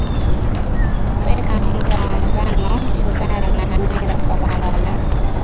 weka unga wa ngano sukari na hamira kwa pamoja